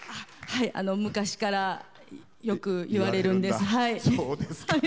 昔からよく言われるんです。